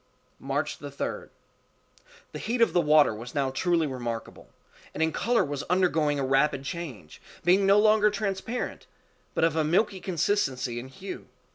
March 3d. The heat of the water was now truly remarkable, and in color was undergoing a rapid change, being no longer transparent, but of a milky consistency and hue.